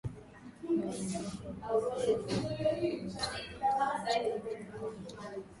ni wanamgambo wa Uganda ambao wamekuwa wakiendesha harakati zao mashariki mwa Kongo tangu miaka ya tisini